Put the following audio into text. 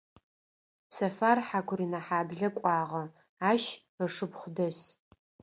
Сэфар Хьакурынэхьаблэ кӏуагъэ, ащ ышыпхъу дэс.